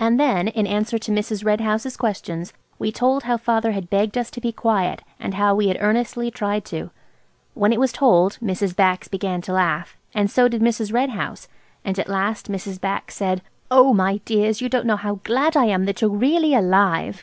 And then, in answer to Mrs. Red House's questions, we told how father had begged us to be quiet, and how we had earnestly tried to. When it was told, Mrs. Bax began to laugh, and so did Mrs. Red House, and at last Mrs. Bax said– "Oh, my dears! you don't know how glad I am that you're really alive!